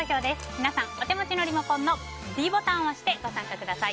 皆さん、お手持ちのリモコンのｄボタンを押して投票にご参加ください。